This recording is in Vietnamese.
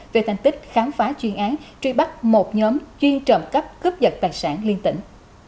về thành tích khám phá chuyên án truy bắt một nhóm chuyên trộm cắp cướp dật tài sản liên tỉnh